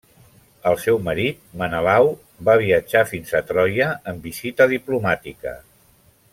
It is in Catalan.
El seu marit, Menelau, va viatjar fins a Troia en visita diplomàtica.